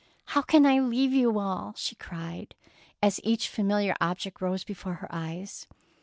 '' How can I leave you all ! she cried, as each familiar object rose before her eyes.